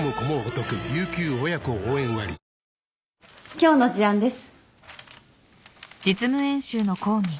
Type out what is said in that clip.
今日の事案です。